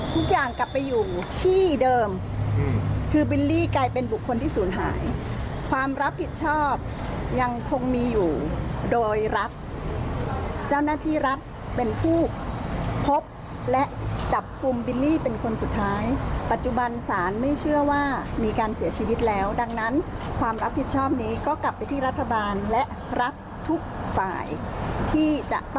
ต้องรับผิดชอบกับชุมชนและก็ครอบครัวของบิลลี่